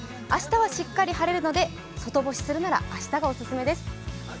明日はしっかり晴れるので、外干しするなら明日がオススメです。